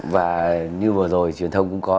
và như vừa rồi truyền thông cũng có